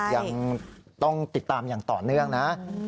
ยังต้องติดตามอย่างต่อเนื่องนะ